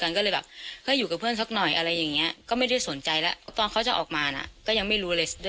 มันเหมือนอยู่ในพวังที่เมาไปแล้ว